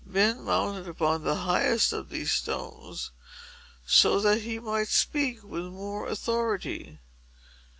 Ben mounted upon the highest of these stones, so that he might speak with the more authority.